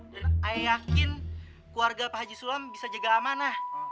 dan ayah yakin keluarga pak haji sulam bisa jaga amanah